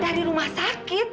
dari rumah sakit